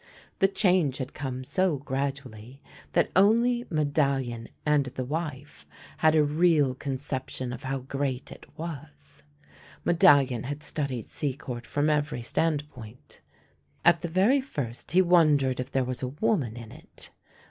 The change had come so gradually that only Medallion AN UPSET PRICE 267 and the wife had a real conception of how great it was. Medalhon had studied Secord from every standpoint. At the very first he wondered if there was a woman in it.